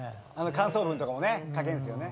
感想文とかも書けるんですよね。